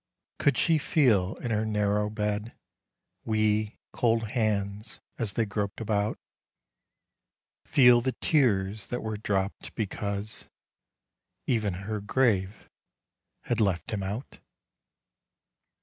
Could she feel in her narrow bed, Wee, cold hands, as they groped about Feel the tears that were dropped because Even her grave had left him out?